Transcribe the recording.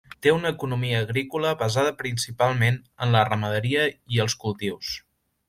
Té una economia agrícola basada principalment en la ramaderia i els cultius.